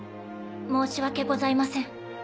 申し訳ございません。